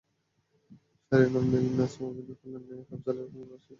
পিয়ারী নাম নিলেন নাজমা, অভিনয় করলেন নায়ক আফজালের বোন রাশিদার চরিত্রে।